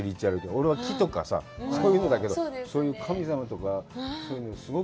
俺は木とかさ、そういうのだけど、そういう神様とか、そういうのすごく。